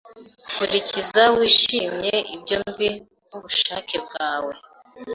Kurikiza wishimye ibyo nzi nkubushake bwawe